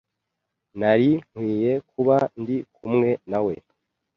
Nari nkwiye kuba ndi kumwe nawe.